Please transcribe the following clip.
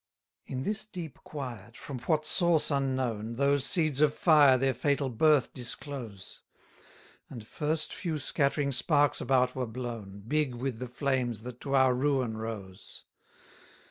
217 In this deep quiet, from what source unknown, Those seeds of fire their fatal birth disclose; And first few scattering sparks about were blown, Big with the flames that to our ruin rose.